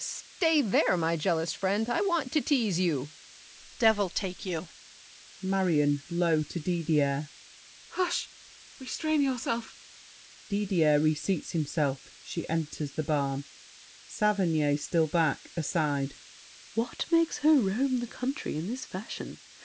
stay there, my jealous friend, I want to tease you! DIDIER. Devil take you! MARION (low to Didier). Hush! Restrain yourself. [Didier re seats himself; she enters the barn. SAVERNY (still back, aside). What makes her roam the country in this fashion?